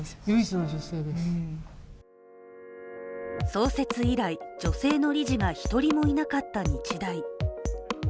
創設以来、女性の理事が１人もいなかった日大。